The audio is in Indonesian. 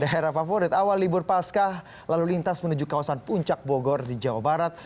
daerah favorit awal libur pascah lalu lintas menuju kawasan puncak bogor di jawa barat